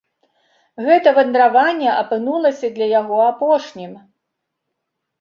Гэта вандраванне апынулася для яго апошнім.